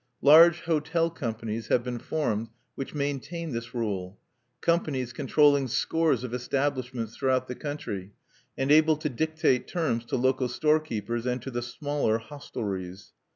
Large hotel companies have been formed which maintain this rule, companies controlling scores of establishments throughout the country, and able to dictate terms to local storekeepers and to the smaller hostelries.